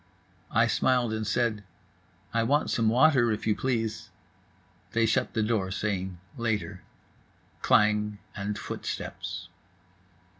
I smiled and said: "I want some water, if you please." They shut the door, saying "Later." Klang and footsteps.